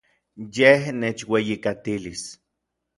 Yej nechueyijkatilis.